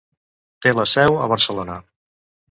Té la seu a Barcelona.